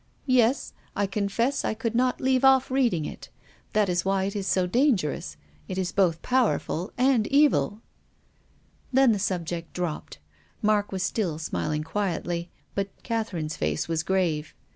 "Yes. I confess I could not leave off reading it. That is why it is so dangerous. It is both powerful and evil." "WILLIAM FOSTER." 143 Then the subject dropped. Mark was still smiling quietly, but Catherine's face Avas grave.